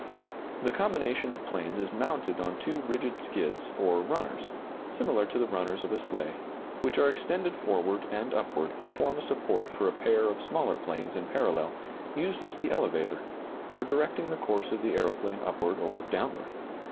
] The combination of planes is mounted on two rigid skids, or runners (similar to the runners of a sleigh), which are extended forward and upward to form a support for a pair of smaller planes in parallel, used as the elevator (for directing the course of the aeroplane upward or downward).